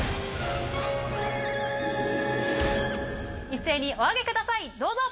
一斉にお上げくださいどうぞ！